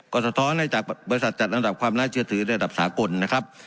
ก็สะท้อนให้จากบริษัทจัดลำดับความน่าเชื่อถือในระดับสากลนะครับ